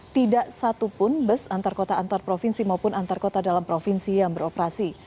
tidak satupun bus antar kota antar provinsi maupun antar kota dalam provinsi yang beroperasi